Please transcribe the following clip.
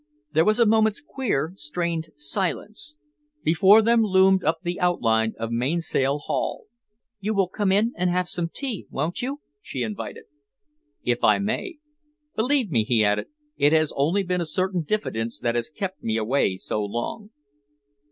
There was a moment's queer, strained silence. Before them loomed up the outline of Mainsail Haul. "You will come in and have some tea, won't you?" she invited. "If I may. Believe me," he added, "it has only been a certain diffidence that has kept me away so long."